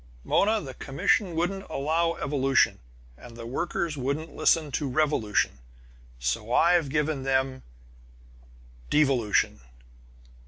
"Mona the commission wouldn't allow evolution, and the workers wouldn't listen to revolution! So I've given them devolution!"